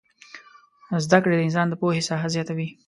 زدکړې د انسان د پوهې ساحه زياتوي